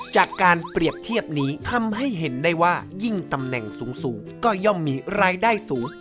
จากการเปรียบเทียบนี้ทำให้เห็นได้ว่ายิ่งตำแหน่งสูงก็ย่อมมีรายได้สูง